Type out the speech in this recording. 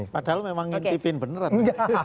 padahal memang ngintipin beneran